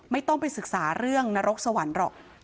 ไม่ต้องไปศึกษาเรื่องนรกสวรรค์หรอก